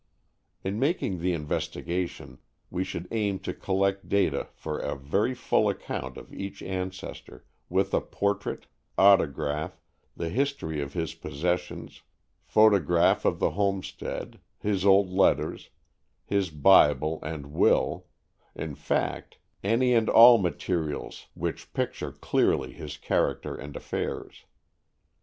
In making the investigation, we should aim to collect data for a very full account of each ancestor, with a portrait, autograph, the history of his possessions, photograph of the homestead, his old letters, his Bible and will in fact, any and all materials which picture clearly his character and affairs.